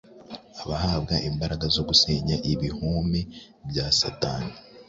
Ahabwa imbaraga zo gusenya ibihome bya Satani.